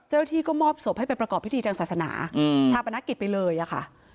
ที่ก็มอบศพให้ไปประกอบพิธีทางศาสนาชาปนกิจไปเลยอะค่ะ